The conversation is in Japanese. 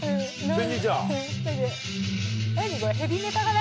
何？